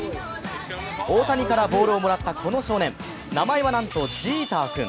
大谷からボールをもらったこの少年、名前はなんと、ジーター君。